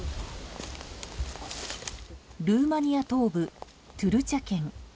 ルーマニア東部トゥルチャ県。